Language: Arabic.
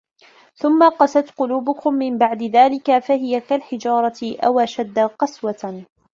ثُمَّ قَسَتْ قُلُوبُكُمْ مِنْ بَعْدِ ذَٰلِكَ فَهِيَ كَالْحِجَارَةِ أَوْ أَشَدُّ قَسْوَةً